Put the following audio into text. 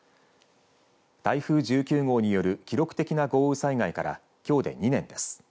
台風１９号による記録的な豪雨災害からきょうで２年です。